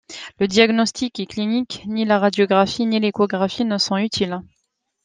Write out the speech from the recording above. Le diagnostic est clinique, ni la radiographie ni l'échographie ne sont utiles.